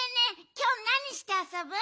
きょうなにしてあそぶ？